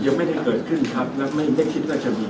ยังไม่ได้เกิดขึ้นครับแล้วไม่ได้คิดว่าจะมี